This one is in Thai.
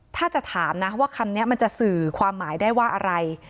ถ้าจะถามนะว่าคำนี้มันจะสื่อความหมายได้ว่าอะไร